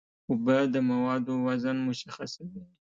اوبه د موادو وزن مشخصوي.